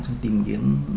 cháu tìm kiếm